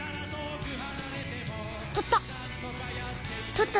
とった！